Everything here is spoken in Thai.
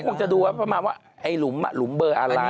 ถูกจะดูประมาณว่าร็ุมรุมเบอร์อะไร